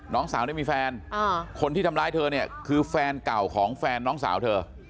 น้องสาวเนี่ยมีแฟนคนที่ทำร้ายเธอเนี่ยคือแฟนเก่าของแฟนน้องสาวเธอ